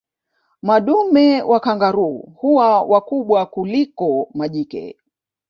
Madume wa kangaroo huwa wakubwa kuliko majike